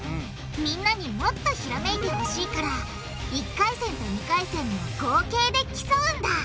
みんなにもっとひらめいてほしいから１回戦と２回戦の合計で競うんだ。